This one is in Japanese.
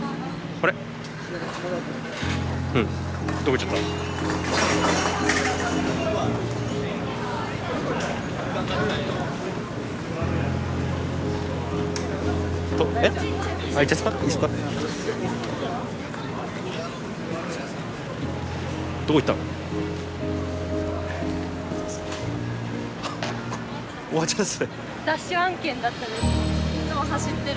あっ終わっちゃってた。